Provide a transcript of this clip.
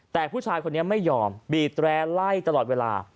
แต่ผู้ชายคนนี้ไม่ยอมบีบแร้ไล่ตลอดเวลา